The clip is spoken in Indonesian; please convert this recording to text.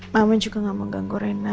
mama juga gak mau ganggu rena